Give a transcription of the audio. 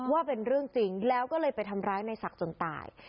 ว่าเป็นเรื่องจริงแล้วก็เลยไปทำร้ายในศักดิ์จนตาย